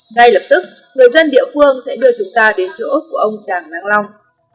ngay lập tức người dân địa phương sẽ đưa chúng ta đến chỗ của ông đảng năng long